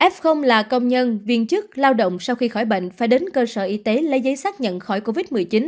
f là công nhân viên chức lao động sau khi khỏi bệnh phải đến cơ sở y tế lấy giấy xác nhận khỏi covid một mươi chín